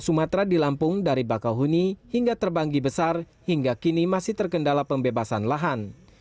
sumatera di lampung dari bakau huni hingga terbanggi besar hingga kini masih terkendala pembebasan lahan